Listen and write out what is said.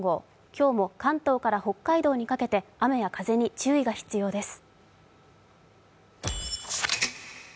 今日も関東から北海道にかけて雨や風に注意が必要です。